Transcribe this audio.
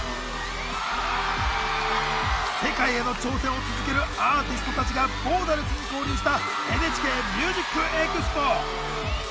世界への挑戦を続けるアーティストたちがボーダレスに交流した「ＮＨＫＭＵＳＩＣＥＸＰＯ」。